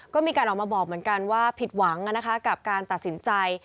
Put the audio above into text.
ก็มีการออกมาบอกเหมือนกันว่าผิดหวังกับการตัดสินใจ